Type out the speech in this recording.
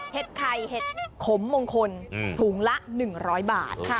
ไข่เห็ดขมมงคลถุงละ๑๐๐บาท